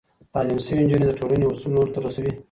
تعليم شوې نجونې د ټولنې اصول نورو ته رسوي.